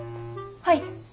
はい。